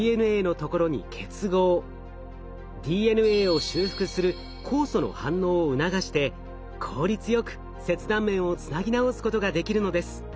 ＤＮＡを修復する酵素の反応を促して効率よく切断面をつなぎ直すことができるのです。